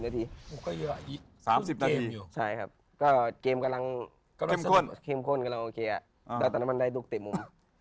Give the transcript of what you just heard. ๓๐นาทีใช่ครับเกมกำลังเข้มข้นกำลังโอเคแต่มันได้ลูกเตะมุม